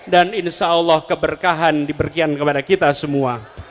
dan insya allah keberkahan diberkian kepada kita semua